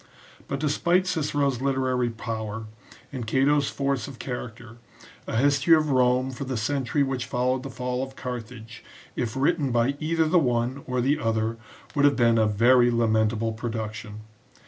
But despite Cicero's literary power, and Cato's force of character, a history of Rome for the century which followed the fall of Carthage, if written by either the one or the other, would have been a very lamentable production.